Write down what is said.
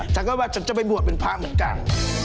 ฉันก็ว่าฉันจะไปบวชเป็นพระเหมือนกัน